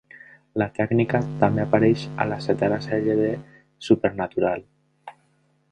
La tècnica també apareix a la setena sèrie de "Supernatural".